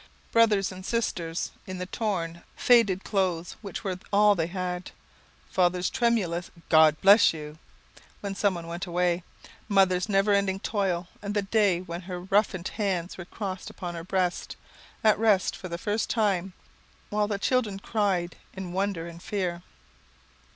Brothers and sisters, in the torn, faded clothes which were all they had; father's tremulous "God bless you," when someone went away. Mother's never ending toil, and the day when her roughened hands were crossed upon her breast, at rest for the first time, while the children cried in wonder and fear.